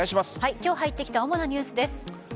今日入ってきた主なニュースです。